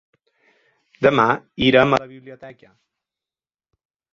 Demà irem a la biblioteca.